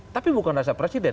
tapi bukan rasa presiden